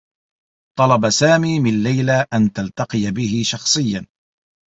طلب سامي من ليلى أن تلتقي به شخصيّا.